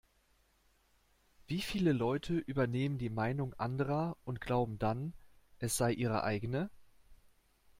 Wie viele Leute übernehmen die Meinung anderer und glauben dann, es sei ihre eigene?